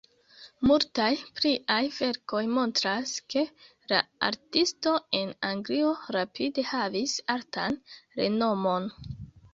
Multaj pliaj verkoj montras, ke la artisto en Anglio rapide havis altan renomon.